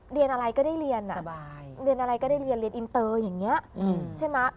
เรียนอะไรก็ได้เรียนอะไรก็ได้เรียนเรียนอินเตอร์อย่างนี้ใช่ไหม